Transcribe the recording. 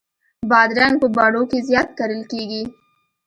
بادرنګ په بڼو کې زیات کرل کېږي.